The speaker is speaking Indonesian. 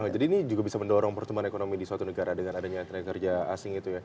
jadi ini juga bisa mendorong pertumbuhan ekonomi di suatu negara dengan adanya tenaga kerja asing itu ya